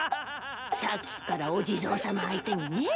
さっきっからお地蔵さま相手にねえ。